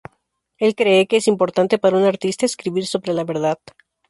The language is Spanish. Él cree que es importante para un artista escribir sobre la verdad.